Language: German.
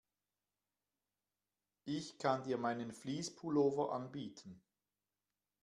Ich kann dir meinen Fleece-Pullover anbieten.